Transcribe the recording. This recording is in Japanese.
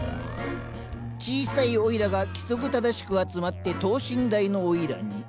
小さいおいらが規則正しく集まって等身大のおいらに。